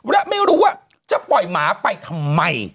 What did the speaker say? และไม่รู้ว่าจะปล่อยหมาไปทำไม